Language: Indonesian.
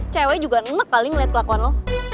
cewek juga enak kali ngeliat kelakuan lo